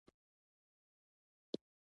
ټوپکوال ته یې یو څه وویل، ټوپکوال ته مې کتل.